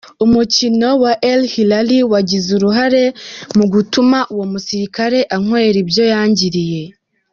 Umukino wa El Hilal wagize uruhare mu gutuma uwo musirikare ankorera ibyo yangiriye.